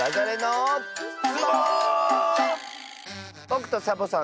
ぼくとサボさん